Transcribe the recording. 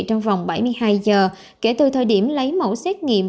trong vòng bảy mươi hai giờ kể từ thời điểm lấy mẫu xét nghiệm